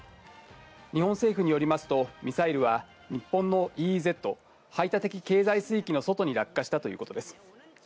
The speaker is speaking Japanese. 日本政府によりますと、ミサイルは日本のＥＥＺ・排他的経済水域の外に落下したということです。